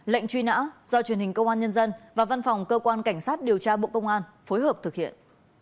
lệnh truy nã do truyền hình công an nhân dân và văn phòng cơ quan cảnh sát điều tra bộ công an phối hợp thực hiện